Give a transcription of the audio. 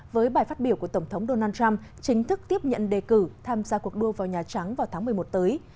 với bài phát biểu của tổng thống donald trump chính thức tiếp nhận đề cử tham gia cuộc đua vào nhà trắng vào tháng một mươi một tới